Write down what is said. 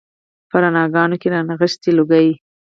په رڼاګانو کې رانغښي لوګي